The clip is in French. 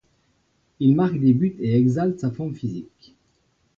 Il marque des buts et exalte sa forme physique.